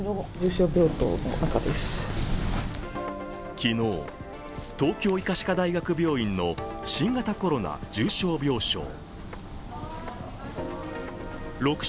昨日、東京医科歯科大学病院の新型コロナ重症病床。